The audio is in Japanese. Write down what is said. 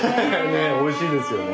ねえおいしいですよね。